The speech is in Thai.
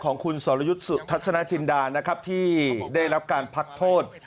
ของคุณสรยุทธ์สุทัศนจินดานะครับที่ได้รับการพักโทษ